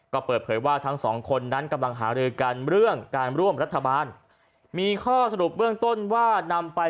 ก็เปิดเผยว่าทั้งสองคนนั้นกำลังหารือกันเรื่องการร่วมรัฐบาลมีข้อสรุปเบื้องต้นว่านำไป